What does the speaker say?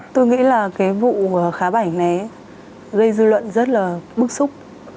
tôi nghĩ là cái vụ khá bảnh này gây dư luận rất là bức xúc